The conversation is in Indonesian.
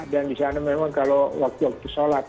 dan di sana memang kalau waktu waktu sholat